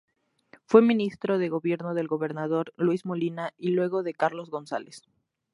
Fue ministro de gobierno del gobernador Luis Molina, y luego de Carlos González.